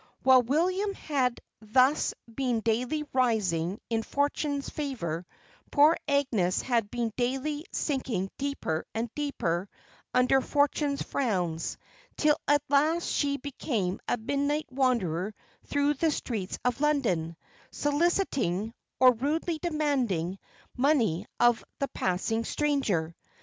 While William had thus been daily rising in fortune's favour, poor Agnes had been daily sinking deeper and deeper under fortune's frowns: till at last she became a midnight wanderer through the streets of London, soliciting, or rudely demanding, money of the passing stranger.